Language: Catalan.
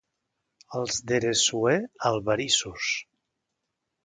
Els d'Eressué, albarissos.